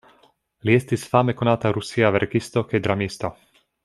Li estis fame konata rusia verkisto kaj dramisto.